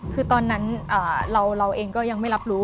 คือตอนนั้นเราเองก็ยังไม่รับรู้